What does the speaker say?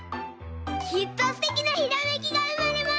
きっとすてきなひらめきがうまれます！